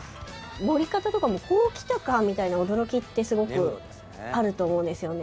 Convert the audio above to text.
盛り方とかもこうきたかみたいな驚きってすごくあると思うんですよね。